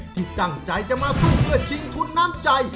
ที่ตั้งใจจะมาสู้เพื่อชิงทุนน้ำใจ